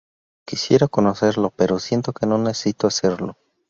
Quisiera conocerlo, pero siento que no necesito hacerlo.